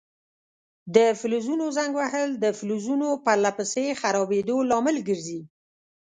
د فلزونو زنګ وهل د فلزونو پر له پسې خرابیدو لامل ګرځي.